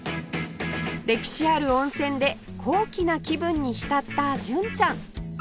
歴史ある温泉で高貴な気分に浸った純ちゃん